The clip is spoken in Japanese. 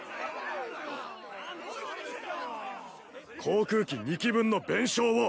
航空機２機分の弁償を。